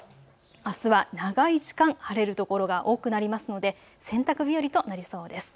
あすは長い時間、晴れる所が多くなりますので洗濯日和となりそうです。